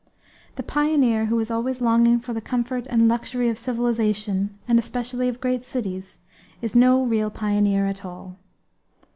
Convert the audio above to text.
The pioneer who is always longing for the comfort and luxury of civilization, and especially of great cities, is no real pioneer at all.